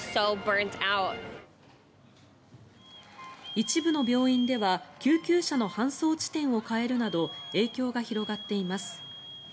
一部の病院では救急車の搬送地点を変えるなど影響が広がっています。